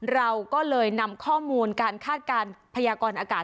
เราก็เลยนำข้อมูลการคาดการณ์พยากรอากาศ